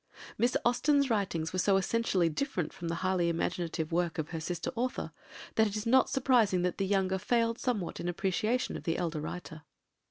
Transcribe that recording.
Miss Austen's writings were so essentially different from the highly imaginative work of her sister author, that it is not surprising that the younger failed somewhat in appreciation of the elder writer.